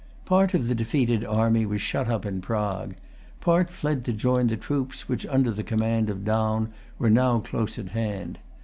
Part of the defeated army was shut up in Prague. Part fled to join the troops which, under the command of Daun, were now close at hand.